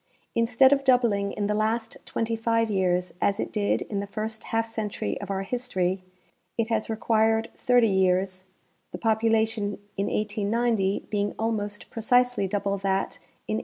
Instead of doubling in the last twenty five years, as it did in the first half century of our history, it has required thirty years, the jDopulation in 1890 being almost precisely double that in 1860.